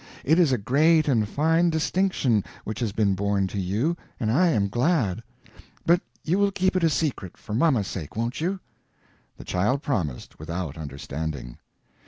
It is a great and fine distinction which has been born to you, and I am glad; but you will keep it a secret, for mamma's sake, won't you?" The child promised, without understanding.